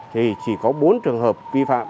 thì chỉ có bốn trường hợp vi phạm